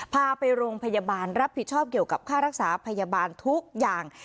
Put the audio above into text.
พาไปโรงพยาบาลรับผิดชอบเกี่ยวกับค่ารักษาพยาบาลทุกอย่าง